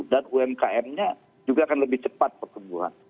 dan umkm nya juga akan lebih cepat berkembuhan